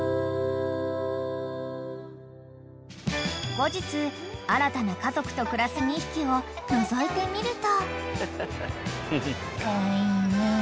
［後日新たな家族と暮らす２匹をのぞいてみると］